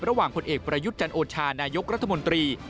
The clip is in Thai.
ระหว่างคนเอกประยุทธจันโอชานายกรัฐมนตรี